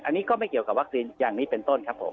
อันนี้ก็ไม่เกี่ยวกับวัคซีนอย่างนี้เป็นต้นครับผม